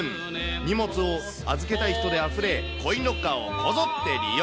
荷物を預けたい人であふれ、コインロッカーをこぞって利用。